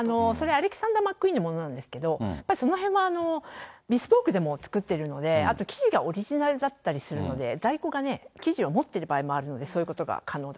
それ、のものなんですけど、やっぱりそのへんはでも作っているので、あと生地がオリジナルだったりするので、在庫が生地がもってる場合もあるので、そういうことが可能だと。